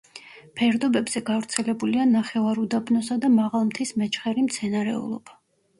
ფერდობებზე გავრცელებულია ნახევარუდაბნოსა და მაღალმთის მეჩხერი მცენარეულობა.